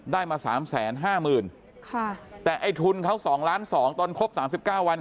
ได้มา๓๕๐๐๐๐บาทแต่ทุนเขา๒๒ล้านตอนครบ๓๙วัน